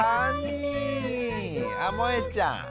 あもえちゃん。